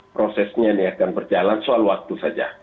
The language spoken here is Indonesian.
prosesnya ini akan berjalan soal waktu saja